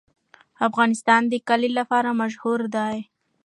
افغانستان د کلي لپاره مشهور دی.